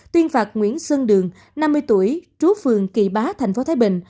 tuyên phạt nguyễn xuân đường năm mươi tuổi trú phường kỳ bá tp thái bình